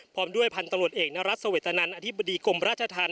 พร้อมด้วยผลตำรวจเอกนรัฐสวิตนันอธิบดีกรมราชทัน